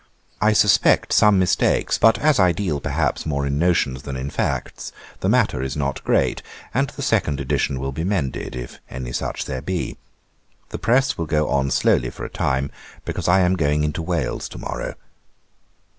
I suspect some mistakes; but as I deal, perhaps, more in notions than in facts, the matter is not great, and the second edition will be mended, if any such there be. The press will go on slowly for a time, because I am going into Wales to morrow.